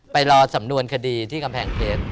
ไปรอสำนวนคดีที่กำแพงเพชร